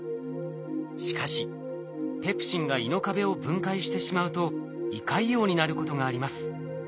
しかしペプシンが胃の壁を分解してしまうと胃潰瘍になることがあります。